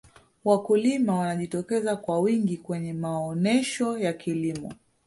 walikulima wanajitokeza kwa wingi kwenye maonesho ya kilimo